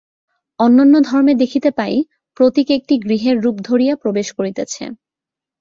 অন্যান্য ধর্মে দেখিতে পাই, প্রতীক একটি গৃহের রূপ ধরিয়া প্রবেশ করিতেছে।